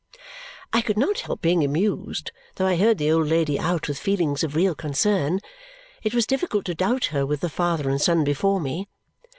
I could not help being amused, though I heard the old lady out with feelings of real concern. It was difficult to doubt her with the father and son before me.